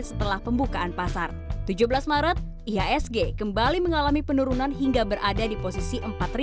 setelah pembukaan pasar tujuh belas maret ihsg kembali mengalami penurunan hingga berada di posisi empat